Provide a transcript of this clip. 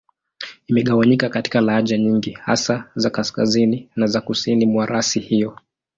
Imegawanyika katika lahaja nyingi, hasa za Kaskazini na za Kusini mwa rasi hiyo.